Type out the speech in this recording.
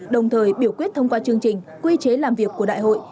đồng thời biểu quyết thông qua chương trình quy chế làm việc của đại hội